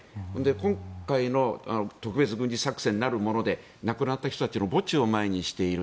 今回の特別軍事作戦なるもので亡くなった人たちの墓地を前にしている。